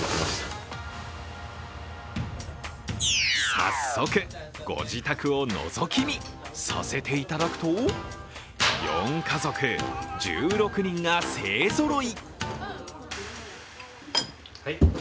早速、ご自宅をのぞき見させていただくと４家族、１６人が勢ぞろい。